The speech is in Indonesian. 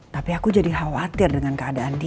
tapi aku jadi khawatir dengan kata katanya